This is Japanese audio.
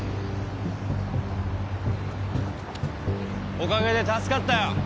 おかげで助かったよ。